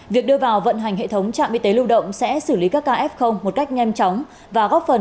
việc đưa vào vận hành hệ thống trạm y tế lưu động sẽ xử lý các ca f một cách nhanh chóng và góp phần